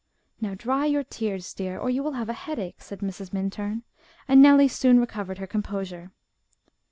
"Now dry your tears, dear, or you will have a headache," said Mrs. Minturn, and Nellie soon recovered her composure.